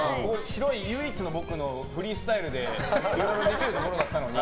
唯一の僕のフリースタイルでいろいろできるところだったのに